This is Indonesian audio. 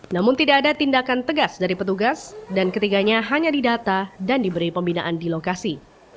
namun tidak ada tindakan tegas dari petugas dan ketiganya hanya didata dan diberi pembinaan di lokasi